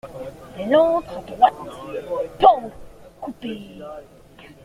Elle entre à droite, pan coupé.